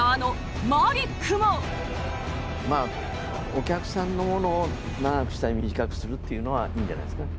まあお客さんのものを長くしたり短くするっていうのはいいんじゃないですか？